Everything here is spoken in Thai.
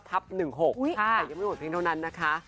แต่ยังไม่หมดเพียงเท่านั้นนะคะ